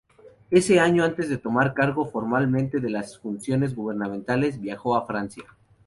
Ese año, antes de tomar cargo formalmente de las funciones gubernamentales, viajó a Francia.